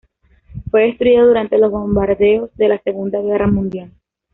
Fue destruido durante los bombardeos de la Segunda Guerra Mundial.